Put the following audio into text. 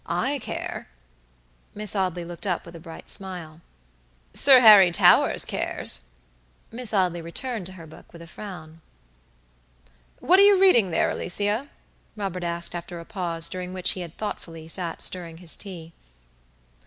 I care." Miss Audley looked up with a bright smile. "Sir Harry Towers cares." Miss Audley returned to her book with a frown. "What are you reading there, Alicia?" Robert asked, after a pause, during which he had sat thoughtfully stirring his tea.